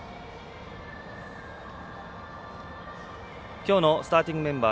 きょうのスターティングメンバー。